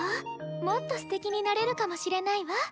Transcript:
もっとすてきになれるかもしれないわ。